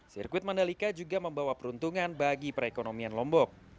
sirkuit mandalika juga membawa peruntungan bagi perekonomian lombok